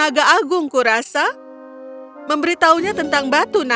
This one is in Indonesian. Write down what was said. dan naga agungku rasa memberitahunya tentang batu naga